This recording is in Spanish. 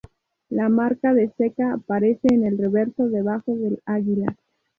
La marca de ceca aparece en el reverso debajo del águilaː